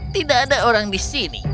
tidak ada orang di sini